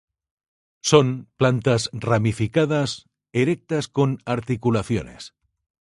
Son, plantas ramificadas erectas con articulaciones.